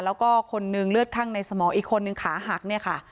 แล้วก็คนนึงเลือดข้างในสมองอีกคนนึงขาหักเนี่ยค่ะ